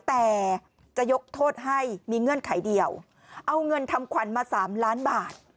แต่จะยกโทษให้มีเงื่อนไขเดียวเอาเงินทำขวัญมา๓ล้านบาท